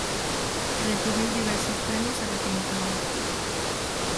Recibiu diversos premios e recoñecementos.